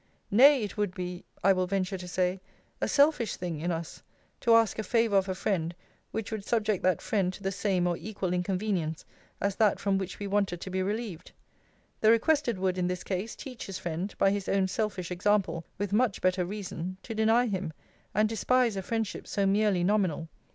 Nay, it would be, I will venture to say, a selfish thing in us to ask a favour of a friend which would subject that friend to the same or equal inconvenience as that from which we wanted to be relieved, The requested would, in this case, teach his friend, by his own selfish example, with much better reason, to deny him, and despise a friendship so merely nominal.